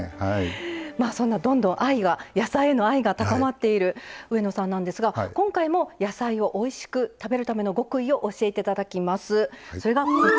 そんな野菜への愛が高まっている上野さんなんですが今回も野菜をおいしく食べるための極意を教えていただきます。